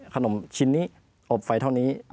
ขนมชิ้นนี้อบไฟเท่านี้